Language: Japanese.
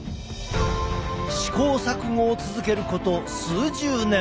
試行錯誤を続けること数十年。